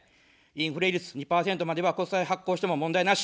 インフレ率２％までは国債発行しても問題なし。